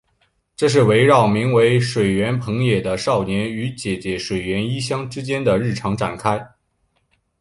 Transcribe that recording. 这是围绕名为水原朋也的少年与姐姐水原一香之间的日常展开。